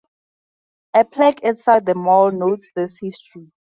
A plaque outside the mall notes this history.